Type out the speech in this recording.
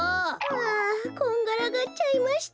あこんがらがっちゃいました。